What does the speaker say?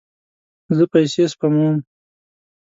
زه پیسې سپموم